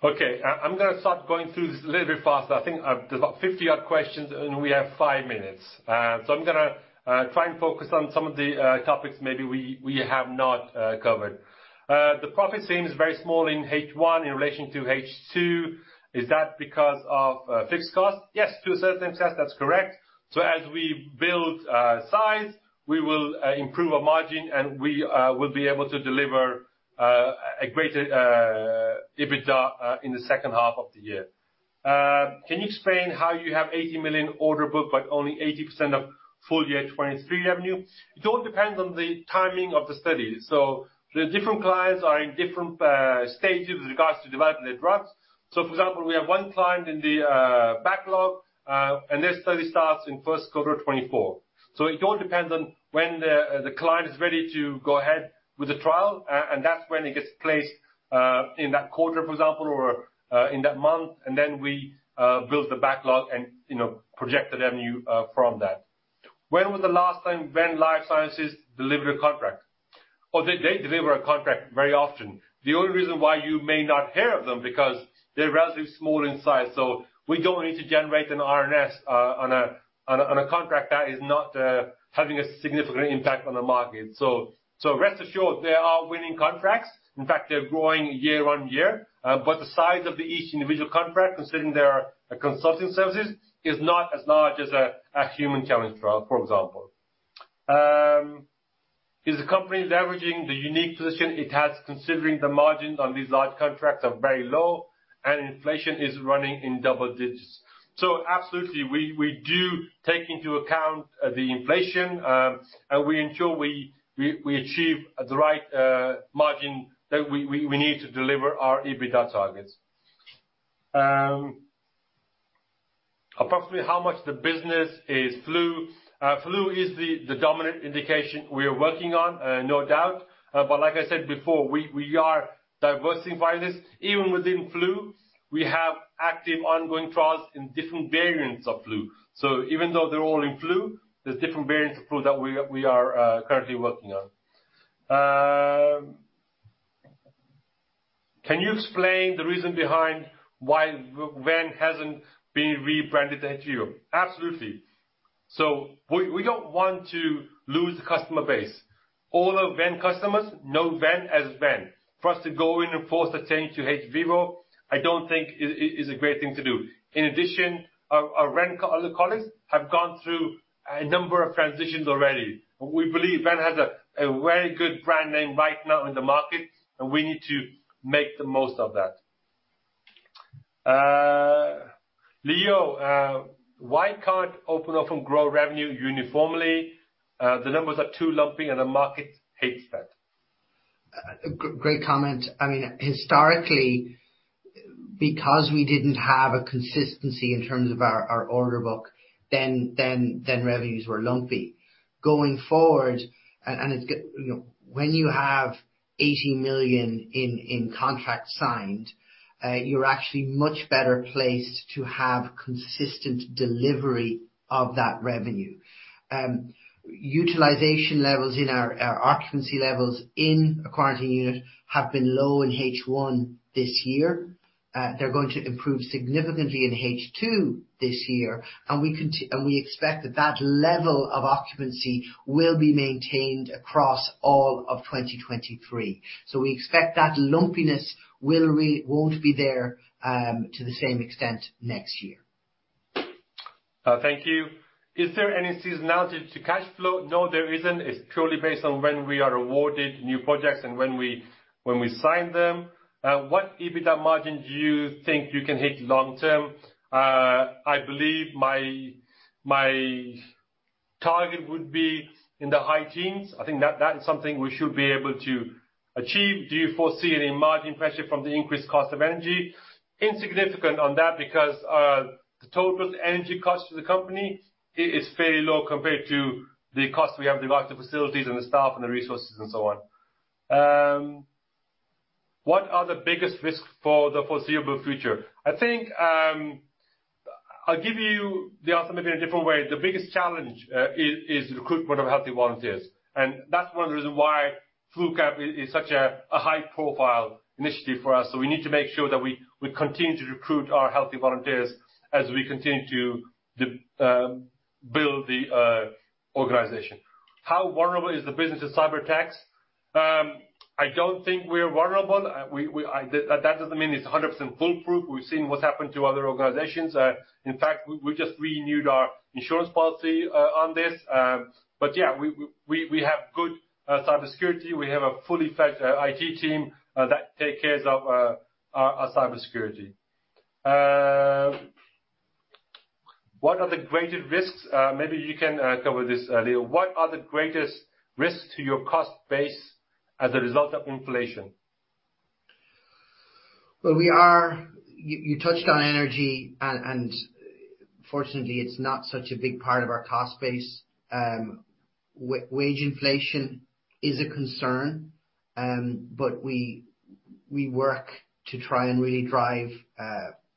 [SPEAKER 2] Okay. I'm gonna start going through this a little bit faster. I think there's about 50-odd questions, and we have 5 minutes. I'm gonna try and focus on some of the topics maybe we have not covered. The profit seems very small in H1 in relation to H2. Is that because of fixed costs? Yes, to a certain extent, that's correct. As we build size, we will improve our margin, and we will be able to deliver a greater EBITDA in the second half of the year. Can you explain how you have 80 million order book but only 80% of full year 2023 revenue? It all depends on the timing of the studies. The different clients are in different stages with regards to developing their drugs. For example, we have one client in the backlog, and their study starts in first quarter 2024. It all depends on when the client is ready to go ahead with the trial, and that's when it gets placed in that quarter, for example, or in that month, and then we build the backlog and, you know, project the revenue from that. When was the last time Venn Life Sciences delivered a contract? They deliver a contract very often. The only reason why you may not hear of them because they're relatively small in size, so we don't need to generate an RNS on a contract that is not having a significant impact on the market. Rest assured they are winning contracts. In fact, they're growing year-on-year, but the size of each individual contract, considering they are a consulting service, is not as large as a human challenge trial, for example. Is the company leveraging the unique position it has, considering the margins on these large contracts are very low and inflation is running in double digits? Absolutely, we do take into account the inflation, and we ensure we achieve the right margin that we need to deliver our EBITDA targets. Approximately how much of the business is flu? Flu is the dominant indication we are working on, no doubt. But like I said before, we are diversifying this. Even within flu, we have active ongoing trials in different variants of flu. Even though they're all in flu, there's different variants of flu that we are currently working on. Can you explain the reason behind why Venn hasn't been rebranded into hVIVO? Absolutely. We don't want to lose the customer base. All the Venn customers know Venn as Venn. For us to go in and force a change to hVIVO, I don't think it is a great thing to do. In addition, our other colleagues have gone through a number of transitions already. We believe Venn has a very good brand name right now in the market, and we need to make the most of that. Leo, why can't Open Orphan grow revenue uniformly? The numbers are too lumpy and the market hates that.
[SPEAKER 3] Great comment. I mean, historically, because we didn't have a consistency in terms of our order book, then revenues were lumpy. Going forward, it's you know, when you have 80 million in contract signed, you're actually much better placed to have consistent delivery of that revenue. Utilization levels in our or occupancy levels in a quarantine unit have been low in H1 this year. They're going to improve significantly in H2 this year, and we expect that level of occupancy will be maintained across all of 2023. We expect that lumpiness won't be there to the same extent next year.
[SPEAKER 2] Thank you. Is there any seasonality to cash flow? No, there isn't. It's purely based on when we are awarded new projects and when we sign them. What EBITDA margin do you think you can hit long term? I believe my target would be in the high teens. I think that is something we should be able to achieve. Do you foresee any margin pressure from the increased cost of energy? Insignificant on that because the total energy cost to the company is fairly low compared to the cost we have to provide the facilities and the staff and the resources and so on. What are the biggest risks for the foreseeable future? I think I'll give you the answer maybe in a different way. The biggest challenge is recruitment of healthy volunteers. That's one reason why FluCamp is such a high-profile initiative for us. We need to make sure that we continue to recruit our healthy volunteers as we continue to build the organization. How vulnerable is the business to cyberattacks? I don't think we're vulnerable. That doesn't mean it's a hundred percent foolproof. We've seen what's happened to other organizations. In fact, we just renewed our insurance policy on this. But yeah, we have good cybersecurity. We have a fully fledged IT team that takes care of our cybersecurity. What are the greatest risks? Maybe you can cover this, Leo. What are the greatest risks to your cost base as a result of inflation?
[SPEAKER 3] Well, you touched on energy and fortunately, it's not such a big part of our cost base. Wage inflation is a concern, but we work to try and really drive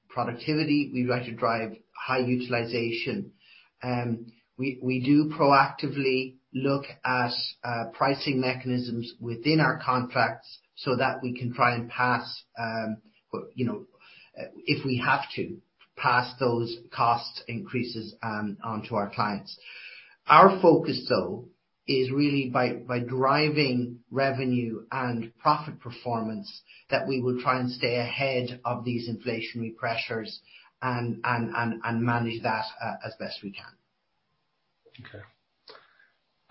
[SPEAKER 3] productivity. We like to drive high utilization. We do proactively look at pricing mechanisms within our contracts so that we can try and pass, you know, if we have to, pass those cost increases onto our clients. Our focus, though, is really by driving revenue and profit performance that we will try and stay ahead of these inflationary pressures and manage that as best we can.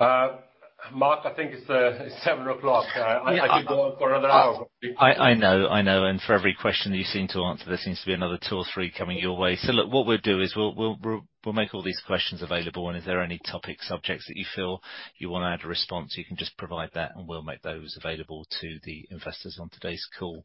[SPEAKER 2] Okay. Mark, I think it's 7:00 PM.
[SPEAKER 3] Yeah.
[SPEAKER 2] I could go on for another hour.
[SPEAKER 1] I know. For every question you seem to answer, there seems to be another two or three coming your way. Look, what we'll do is we'll make all these questions available, and if there are any topics, subjects that you feel you wanna add a response, you can just provide that, and we'll make those available to the investors on today's call.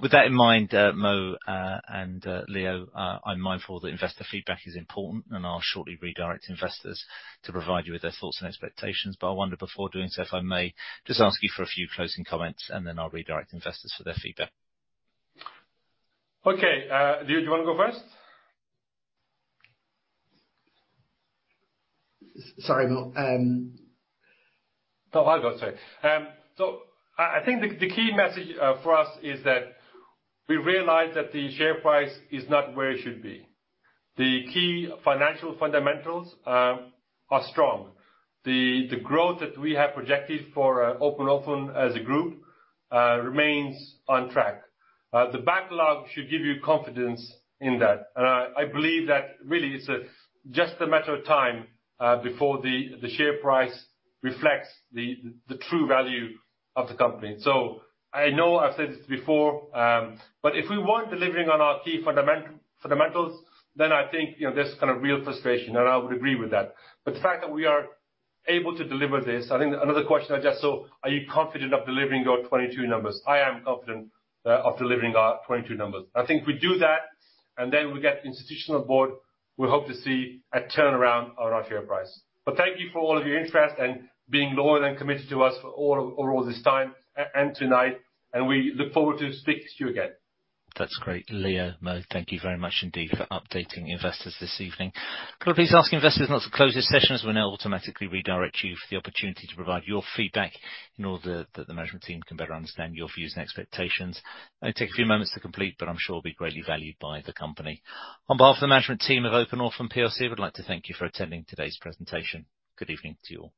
[SPEAKER 1] With that in mind, Mo, and Leo, I'm mindful that investor feedback is important, and I'll shortly redirect investors to provide you with their thoughts and expectations. I wonder, before doing so, if I may just ask you for a few closing comments, and then I'll redirect investors for their feedback.
[SPEAKER 2] Okay. Leo, do you wanna go first?
[SPEAKER 3] Sorry, Mo.
[SPEAKER 2] No, I'll go. Sorry. I think the key message for us is that we realize that the share price is not where it should be. The key financial fundamentals are strong. The growth that we have projected for Open Orphan as a group remains on track. The backlog should give you confidence in that. I believe that really it's just a matter of time before the share price reflects the true value of the company. I know I've said this before, but if we weren't delivering on our key fundamentals, then I think, you know, there's kind of real frustration, and I would agree with that. The fact that we are able to deliver this, I think another question I just saw, are you confident of delivering your 22 numbers? I am confident of delivering our 22 numbers. I think we do that, and then we get institutional board. We hope to see a turnaround on our share price. Thank you for all of your interest and being loyal and committed to us for all this time and tonight, and we look forward to speaking to you again.
[SPEAKER 1] That's great. Leo, Mo, thank you very much indeed for updating investors this evening. Could I please ask investors now to close this session, as we'll now automatically redirect you for the opportunity to provide your feedback in order that the management team can better understand your views and expectations. It'll take a few moments to complete, but I'm sure it'll be greatly valued by the company. On behalf of the management team of Open Orphan PLC, we'd like to thank you for attending today's presentation. Good evening to you all.